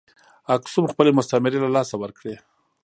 اکسوم خپلې مستعمرې له لاسه ورکړې.